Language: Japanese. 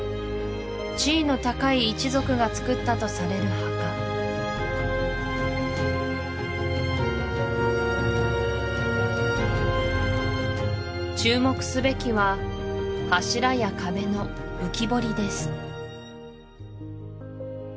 地位の高い一族がつくったとされる墓注目すべきは柱や壁の浮き彫りです